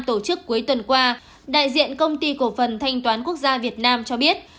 tổ chức cuối tuần qua đại diện công ty cổ phần thanh toán quốc gia việt nam cho biết